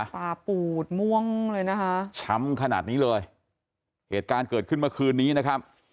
ตาปูดม่วงเลยนะคะช้ำขนาดนี้เลยเหตุการณ์เกิดขึ้นเมื่อคืนนี้นะครับ